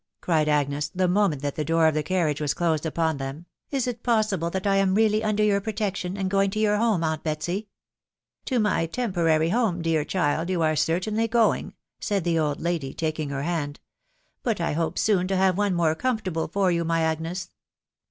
cried Agnes, the moment that the door of the carriage was closed upon them, " is it possible that I am really under your protection, and going to your home, aunt Betsy ? M " To my temporary home, dear child, you are certainly going," said the old lady, taking her hand ;" but I hope soon to have one more comfortable for you, my Agnes